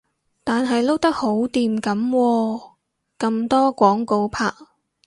但係撈得好掂噉喎，咁多廣告拍